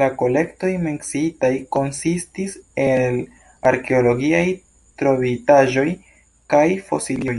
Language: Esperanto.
La kolektoj menciitaj konsistis el arkeologiaj trovitaĵoj kaj fosilioj.